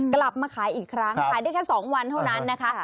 กลับมาขายอีกครั้งขายได้แค่๒วันเท่านั้นนะคะ